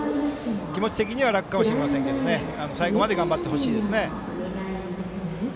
気持ち的には楽かもしれませんが最後まで頑張ってほしいですね。